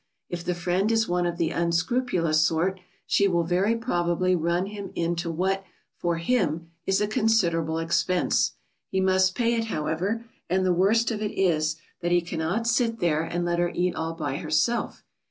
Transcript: If the friend is one of the unscrupulous sort, she will very probably run him into what, for him, is a considerable expense. He must pay it, however, and the worst of it is that he cannot sit there and let her eat all by herself.